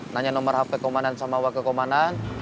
nanya nomor hp komandan sama wakil komandan